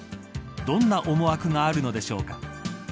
どんな思惑があるのでしょうか。